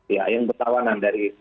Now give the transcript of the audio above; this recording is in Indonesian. ya yang ketawanan dari